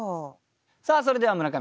さあそれでは村上さん